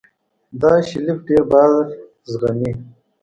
دا شیلف ډېر بار زغمي.